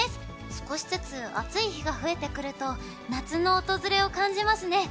少しずつ暑い日が増えてくると、夏の訪れを感じますね。